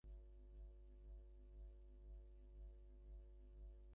প্রেমের ক্ষমতা যে কী প্রচণ্ড হতে পারে, প্রেমে নাপড়লে তা বোঝা যায না।